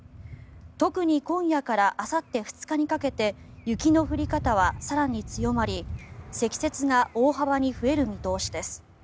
特に今夜からあさって２日にかけて雪の降り方は更に強まり積雪が大幅に増える見通しです。